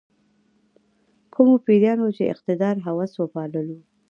کومو پیریانو چې اقتدار هوس وپاللو.